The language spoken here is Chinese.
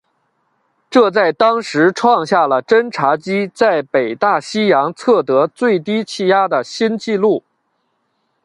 这在当时创下了侦察机在北大西洋测得最低气压的新纪录。